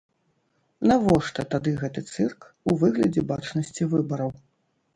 Навошта тады гэты цырк у выглядзе бачнасці выбараў?